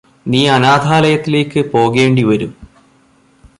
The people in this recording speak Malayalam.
നീ അനാഥാലയത്തിലേക്ക് പോകേണ്ടിവരും